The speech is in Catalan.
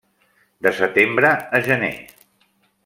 De setembre a gener.